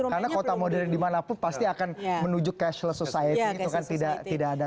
karena kota modern dimanapun pasti akan menuju cashless society itu kan tidak ada